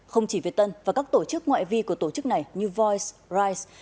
không chỉ việt tân và các tổ chức ngoại vi của tổ chức này như voice brise